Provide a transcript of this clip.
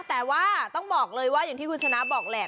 แต่ว่าต้องบอกเลยว่าอย่างที่คุณชนะบอกแหละ